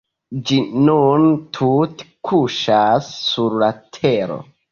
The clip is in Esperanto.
Ĝi nun tute kuŝas sur la tero.